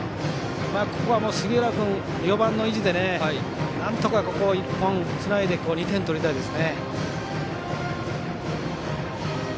ここは杉浦君は４番の意地でなんとか１本つないで２点取りたいです。